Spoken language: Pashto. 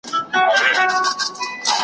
په هغه ګړي یې جنس وو پیژندلی .